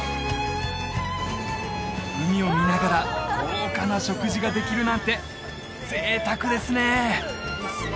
海を見ながら豪華な食事ができるなんて贅沢ですね